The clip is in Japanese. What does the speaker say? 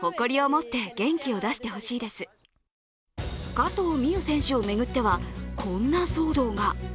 加藤未唯選手を巡ってはこんな騒動が。